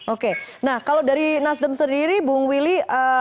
oke nah kalau dari nasdem sendiri bung willy